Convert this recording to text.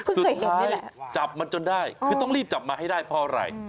สุดท้ายจับมันจนได้คือต้องรีบจับมาให้ได้เพราะอะไร